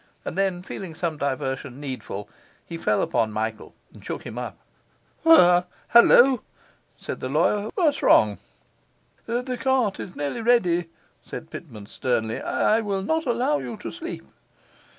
And then, feeling some diversion needful, he fell upon Michael and shook him up. 'Hullo,' said the lawyer, 'what's wrong?' 'The cart is nearly ready,' said Pitman sternly. 'I will not allow you to sleep.